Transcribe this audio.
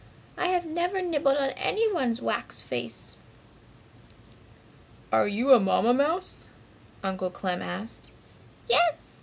I have never nibbled at anyone's wax face!" "Are you a Mamma mouse?" Uncle Clem asked. "Yes!"